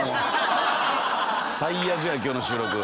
最悪や今日の収録。